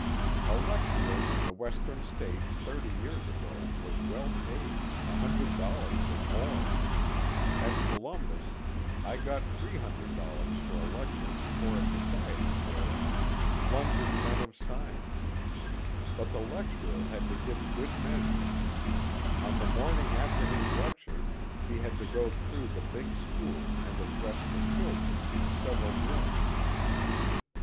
A lecturer in the Western States thirty years ago was well paid, — $100 or more. At Columbus I got $800 for a lecture before a society there on ^' London Men of Science." But the lecturer had to give good measure : on the morning after his lecture he had to go through the big school and address the children in several rooms.